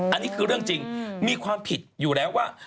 อันนี้คือเรื่องจริงมีความผิดอยู่แล้วว่า